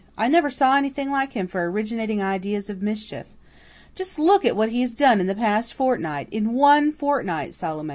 I never saw anything like him for originating ideas of mischief. Just look at what he has done in the past fortnight in one fortnight, Salome.